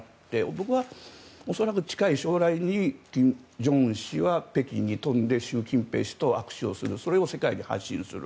僕は恐らく近い将来に金正恩氏は北京に飛んで習近平氏と握手をするそれを世界に発信する。